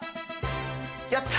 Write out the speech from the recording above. やった！